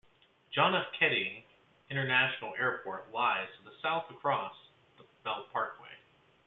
John F. Kennedy International Airport lies to the south across the Belt Parkway.